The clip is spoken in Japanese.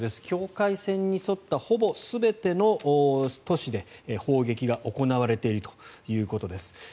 境界線に沿ったほぼ全ての都市で砲撃が行われているということです。